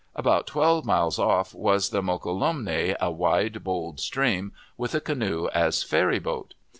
About twelve miles off was the Mokelumne, a wide, bold stream, with a canoe as a ferry boat.